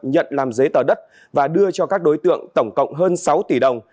nhận làm giấy tờ đất và đưa cho các đối tượng tổng cộng hơn sáu tỷ đồng